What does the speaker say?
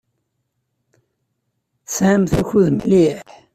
Tesɛamt akud mliḥ.